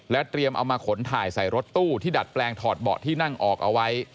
เตรียมเอามาขนถ่ายใส่รถตู้ที่ดัดแปลงถอดเบาะที่นั่งออกเอาไว้